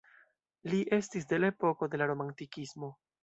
Li estis de la epoko de la Romantikismo.